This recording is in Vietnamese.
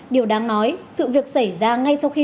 điều đáng nói sự việc xảy ra ngay sau khi